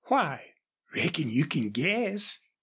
Why?" "Reckon you can guess.